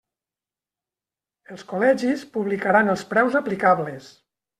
Els col·legis publicaran els preus aplicables.